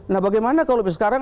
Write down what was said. nah bagaimana kalau sekarang